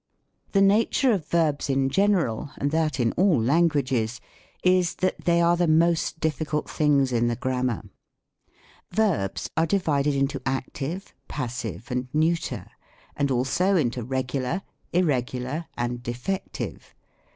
The nature of Verbs in general, and that in all lan guages, is, that they are the most difficult things in the Grammar. Verbs are divided into Active, Passive, and Neuter ; and also into Regular, Irregular, and Defective.